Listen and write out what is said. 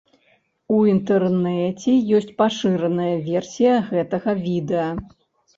У інтэрнэце ёсць пашыраная версія гэтага відэа.